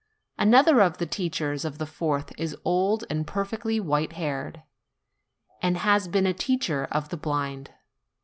Another of the teachers of the fourth is old and perfectly white haired, and has been a teacher of the blind.